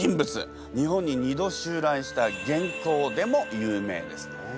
日本に２度襲来した元寇でも有名ですね。